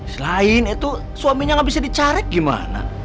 selain itu suaminya nggak bisa dicarek gimana